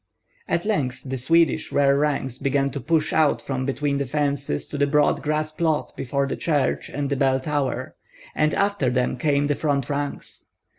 At length the Swedish rear ranks began to push out from between the fences to the broad grass plot before the church and the bell tower, and after them came the front ranks.